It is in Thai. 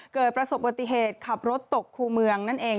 เกิดประสบปฏิเหตุขับรถตกคู่เมืองนั่นเอง